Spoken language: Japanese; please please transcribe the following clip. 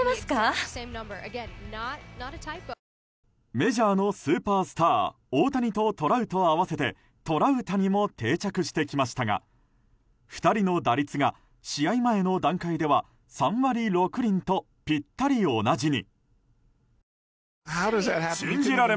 メジャーのスーパースター大谷とトラウト合わせてトラウタニも定着してきましたが２人の打率が試合前の段階では３割６厘とぴったり同じに。